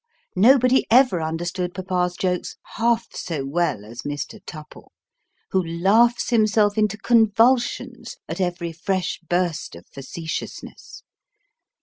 nobody ever understood papa's jokes half so well as Mr. Tupple, who laughs himself into convulsions at every fresh burst of facetiousness.